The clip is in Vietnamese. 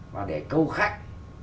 còn để câu khách